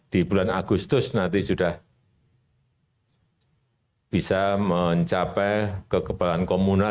di bulan agustus nanti sudah bisa mencapai kekebalan komunal